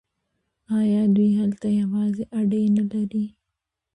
آیا دوی هلته پوځي اډې نلري؟